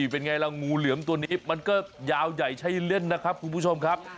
เป็นไงล่ะงูเหลือมตัวนี้มันก็ยาวใหญ่ใช้เล่นนะครับคุณผู้ชมครับ